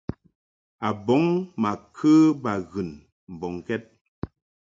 Abɔŋ ma kə baghɨn mbɔŋkɛd.